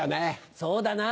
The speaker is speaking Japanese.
そうだな。